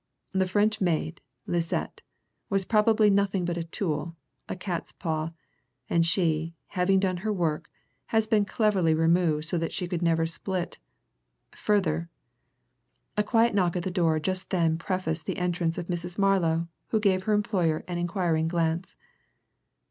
The French maid, Lisette, was probably nothing but a tool, a cat's paw, and she, having done her work, has been cleverly removed so that she could never split. Further " A quiet knock at the door just then prefaced the entrance of Mrs. Marlow, who gave her employer an inquiring glance.